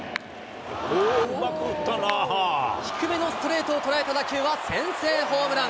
低めのストレートを捉えた打球は先制ホームラン。